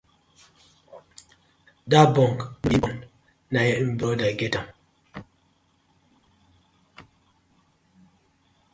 Dat bunk no be im own, na im brother get am.